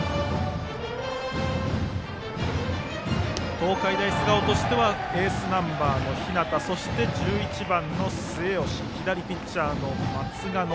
東海大菅生としてはエースナンバーの日當そして１１番の末吉左ピッチャーの松ヶ野。